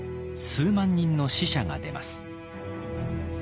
数万人の死者が出ます。